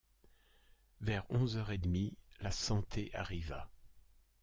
Vers onze heures et demie, « la Santé » arriva.